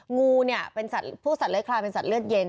งูเนี่ยพวกสัตว์เลือดคลานเป็นสัตว์เลือดเย็น